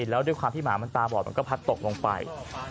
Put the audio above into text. แล้วด้วยความที่หมามันตาบอดมันก็พัดตกลงไป